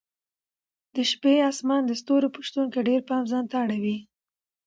د شپې اسمان د ستورو په شتون کې ډېر پام ځانته اړوي.